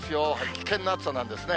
危険な暑さなんですね。